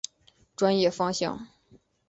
专业方向。